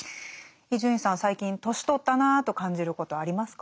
伊集院さんは最近年取ったなぁと感じることはありますか？